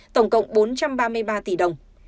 tổng cộng bốn trăm ba mươi ba tỷ đồng